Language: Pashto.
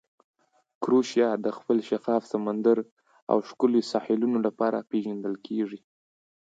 کروشیا د خپل شفاف سمندر او ښکلې ساحلونو لپاره پېژندل کیږي.